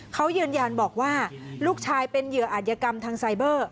เขายืนยันบอกว่าลูกชายเป็นเหยื่ออาจยกรรมทางไซเบอร์